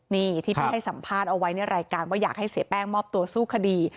นี่ที่พี่ให้สัมภาษณ์เอาไว้ในรายการว่าอยากให้เสียแป้งมอบตัวสู้คดี